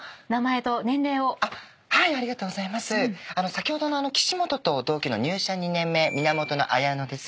先ほどの岸本と同期の入社２年目源彩乃です。